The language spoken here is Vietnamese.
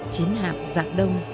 chín hạp dạng đông